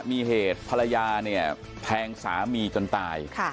มีเหตุภรรยาเนี่ยแทงสามีจนตาย